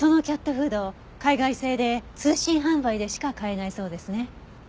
フード海外製で通信販売でしか買えないそうですね。